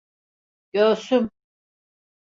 Göğsüm…